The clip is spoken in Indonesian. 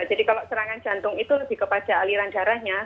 jadi kalau serangan jantung itu lebih kepada aliran darahnya